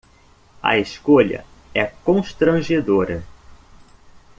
A escolha é constrangedora.